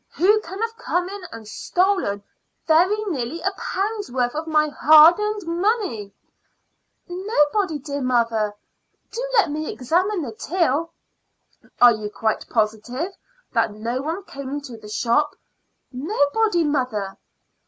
Who can have come in and stolen very nearly a pound's worth of my hard earned money?" "Nobody, mother dear. Do let me examine the till." "Are you quite positive that no one came into the shop?" "Nobody, mother."